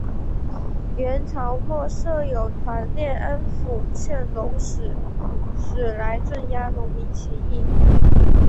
元朝末设有团练安辅劝农使来镇压农民起义。